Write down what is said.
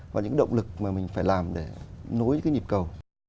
và những động lực mà mình phải làm để nối những cái nhịp cầu